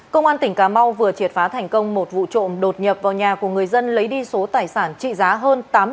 công an tỉnh cà mau vừa triệt phá thành công một vụ trộm đột nhập vào nhà của người dân lấy đi số tài sản trị giá hơn tám tỷ đồng